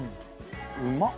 うまっ！